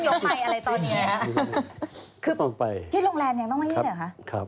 แป้วจะมาเวทเทนนิ่งยกไมค์อะไรตอนนี้นะครับ